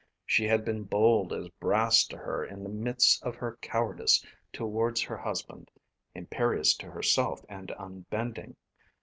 She had been bold as brass to her in the midst of her cowardice towards her husband, imperious to herself and unbending.